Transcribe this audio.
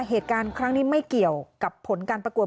เหตุการณ์ครั้งนี้ไม่เกี่ยวกับผลการประกวด